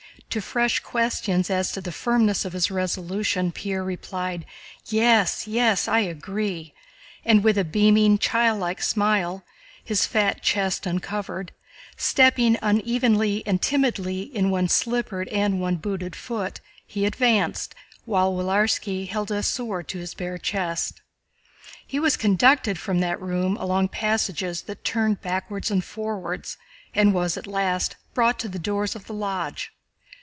To fresh questions as to the firmness of his resolution Pierre replied: "Yes, yes, I agree," and with a beaming, childlike smile, his fat chest uncovered, stepping unevenly and timidly in one slippered and one booted foot, he advanced, while Willarski held a sword to his bare chest. He was conducted from that room along passages that turned backwards and forwards and was at last brought to the doors of the Lodge.